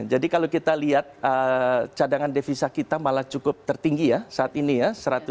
jadi kalau kita lihat cadangan devisa kita malah cukup tertinggi ya saat ini ya satu ratus tiga puluh satu